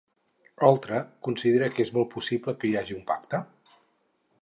Oltra considera que és molt possible que hi hagi un pacte?